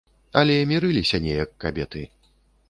Але мірыліся неяк кабеты.